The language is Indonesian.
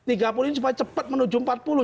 tiga puluh ini supaya cepat menuju empat puluh